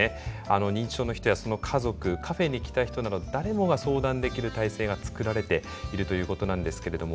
認知症の人やその家族カフェに来た人なら誰もが相談できる体制が作られているということなんですけれども。